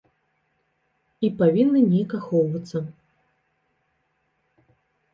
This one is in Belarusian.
І павінны неяк ахоўвацца.